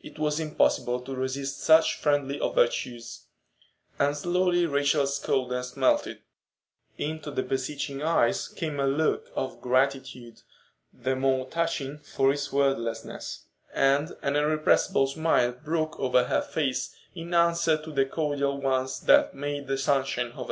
It was impossible to resist such friendly overtures, and slowly Rachel's coldness melted; into the beseeching eyes came a look of gratitude, the more touching for its wordlessness, and an irrepressible smile broke over her face in answer to the cordial ones that made the sunshine of her day.